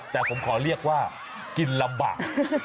แต่ผมขอเรียกว่ากินลำบาก